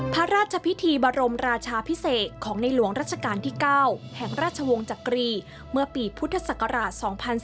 พระราชพิธีบรมราชาพิเศษของในหลวงรัชกาลที่๙แห่งราชวงศ์จักรีเมื่อปีพุทธศักราช๒๔